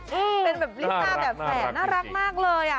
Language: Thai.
เป็นลิซ่าแบบแฝดน่ารักมากเลย